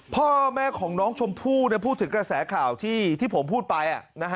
พ่อแม่ของน้องชมพู่พูดถึงกระแสข่าวที่ผมพูดไป